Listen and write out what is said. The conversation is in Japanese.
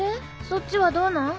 そっちはどうなん？